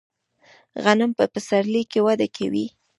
غنم په پسرلي کې وده کوي.